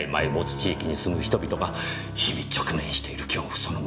地域に住む人々が日々直面している恐怖そのものです。